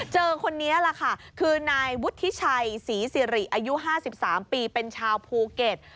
คนนี้แหละค่ะคือนายวุฒิชัยศรีสิริอายุ๕๓ปีเป็นชาวภูเก็ต